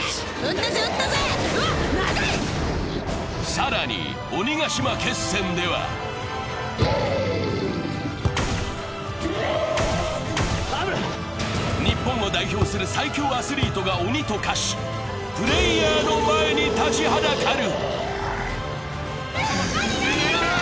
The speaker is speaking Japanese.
更に鬼ヶ島決戦では日本を代表する最強アスリートが鬼と化し、プレイヤーの前に立ちはだかる。